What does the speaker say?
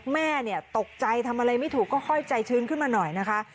แม่เนี่ยตกใจทำอะไรไม่ถูกก็ค่อยใจชื้นขึ้นมาหน่อยนะคะ